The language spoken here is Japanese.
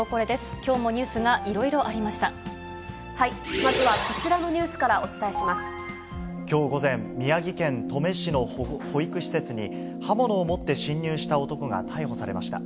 きょうもニュースがいろいろありまずはこちらのニュースからきょう午前、宮城県登米市の保育施設に、刃物を持って侵入した男が逮捕されました。